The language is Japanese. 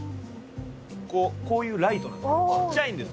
こうこういうライトなんです。